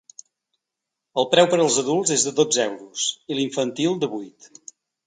El preu per als adults és de dotze euros, i l’infantil de vuit.